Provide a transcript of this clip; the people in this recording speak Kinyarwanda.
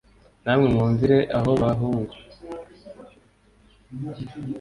Na mwe mwumvire aho bahungu!"